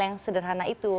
yang sederhana itu